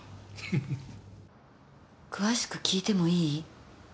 詳しく訊いてもいい？